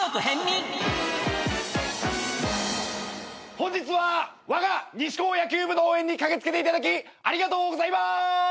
本日はわがニシ高野球部の応援に駆け付けていただきありがとうございます！